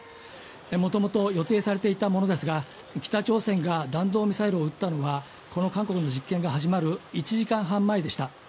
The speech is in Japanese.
もともと予定されていたものですが、北朝鮮が弾道ミサイルを撃ったのはこの韓国の実験が始まる１時間前でした。